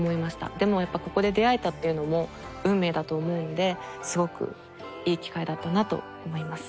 でもやっぱここで出会えたっていうのも運命だと思うんですごくいい機会だったなと思います。